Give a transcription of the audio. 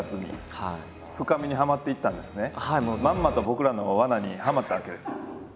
まんまと僕らの罠にはまったわけです。